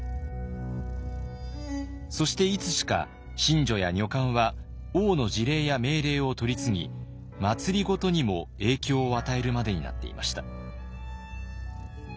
そしていつしか神女や女官は王の辞令や命令を取り次ぎ政にも影響を与えるまでになっていました。